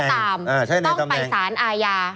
ต้องไปสารอาญา